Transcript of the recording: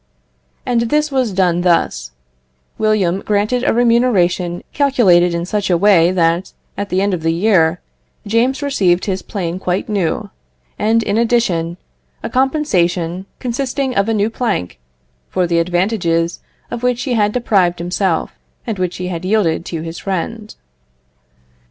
And this was done thus: William granted a remuneration calculated in such a way that, at the end of the year, James received his plane quite new, and in addition, a compensation, consisting of a new plank, for the advantages of which he had deprived himself, and which he had yielded to his friend.